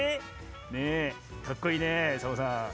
ねえ、かっこいいねえ、サボさん。